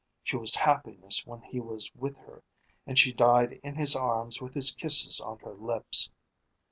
She was happiest when he was with her, and she died in his arms with his kisses on her lips.